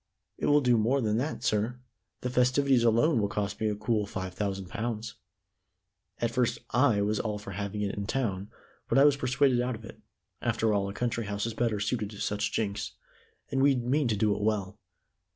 "It will do more than that, sir. The festivities alone will cost me a cool five thousand pounds. At first I was all for having it in town, but I was persuaded out of it. After all, a country house is better suited to such jinks. And we mean to do it well."